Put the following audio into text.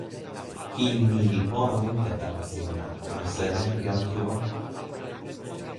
kili ni li pona mute tawa sina, anu seme, jan Tu o?